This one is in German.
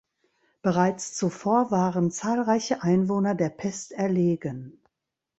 Bereits zuvor waren zahlreiche Einwohner der Pest erlegen.